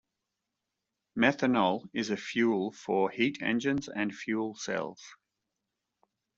Methanol is a fuel for heat engines and fuel cells.